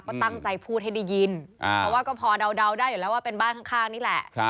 ก็ตั้งใจพูดให้ได้ยินเพราะว่าก็พอเดาได้อยู่แล้วว่าเป็นบ้านข้างนี่แหละ